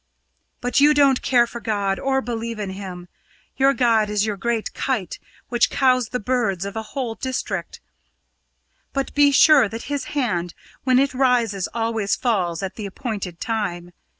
But you don't care for God, or believe in Him. Your god is your great kite, which cows the birds of a whole district. But be sure that His hand, when it rises, always falls at the appointed time.